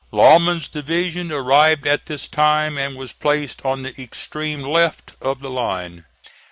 Lauman's division arrived at this time and was placed on the extreme left of the line.